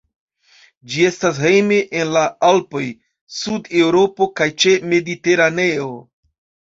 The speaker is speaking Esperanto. Ĝi estas hejme en la Alpoj, Sud-Eŭropo kaj ĉe Mediteraneo.